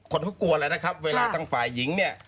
คนเขากลัวแล้วนะครับเวลาทางฝ่ายหญิงเนี่ย